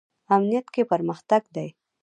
امنیت کې پرمختګ دی